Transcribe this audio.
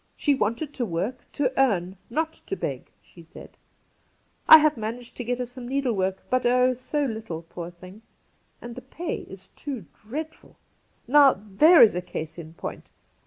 She wanted to work; to earn, not to beg, she said. I have managed to get her some needlework, but, oh, so little, poor thing! And the pay is too dreadful ! Now, there is a case in point.